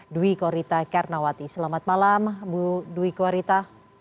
dwi korita karnawati selamat malam bu dwi koarita